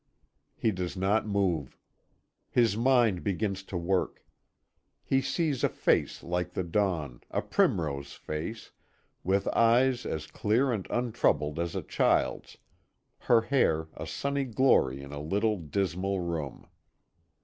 He does not move. His mind begins to work. He sees a face like the dawn, a primrose face, with eyes as clear and untroubled as a child's; her hair a sunny glory in a little dismal room.